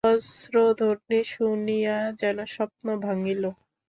বজ্রধ্বনি শুনিয়া যেন স্বপ্ন ভাঙিল।